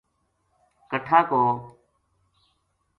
کَٹھا کو